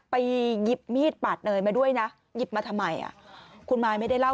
ไปหยิบมีดปาดเนยมาด้วยนะหยิบมาทำไมอ่ะคุณมายไม่ได้เล่า